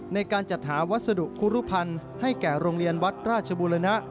ในการจัดหาวัสดุคุรุพันธ์ให้แก่โรงเรียนวัดราชบูรณะ